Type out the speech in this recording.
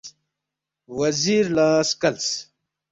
وزیر لہ سکلس